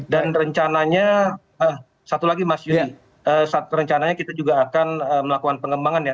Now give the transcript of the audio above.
dan rencananya satu lagi mas yudi rencananya kita juga akan melakukan pengembangan ya